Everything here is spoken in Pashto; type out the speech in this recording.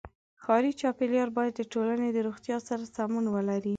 ښاري چاپېریال باید د ټولنې د روغتیا سره سمون ولري.